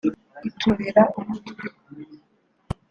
iturira ugutwi